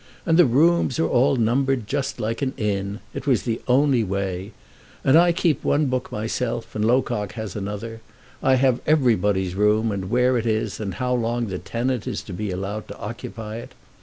And the rooms are all numbered just like an inn. It was the only way. And I keep one book myself, and Locock has another. I have everybody's room, and where it is, and how long the tenant is to be allowed to occupy it.